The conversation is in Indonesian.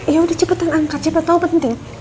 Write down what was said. ya udah cepetan angkat siapa tau penting